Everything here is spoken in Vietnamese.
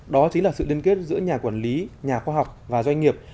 đó chính là sự liên kết giữa nhà quản lý nhà khoa học và doanh nghiệp